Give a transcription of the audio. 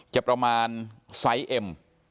จะประมาณไซส์เอ็ม